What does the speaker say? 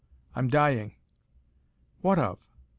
I'm dying." "What of?